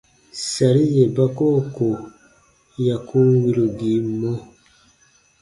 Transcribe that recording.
Sari yè ba koo ko ya kun wirugii mɔ.